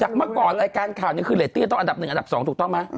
จากเมื่อก่อนรายการข่าวนี้คือเรดตี้ต้องอันดับหนึ่งอันดับสองถูกต้องไหม